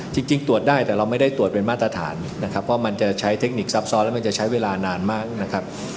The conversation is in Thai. จริงตรวจได้แต่เราไม่ได้ตรวจเป็นมาตรฐานนะครับว่ามันจะใช้เทคนิคซับซ้อนแล้วมันจะใช้เวลานานมากนะครับ